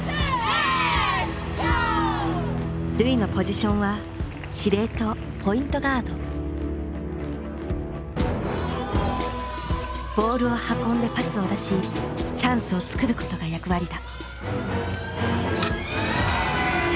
瑠唯のポジションはボールを運んでパスを出しチャンスをつくることが役割だ。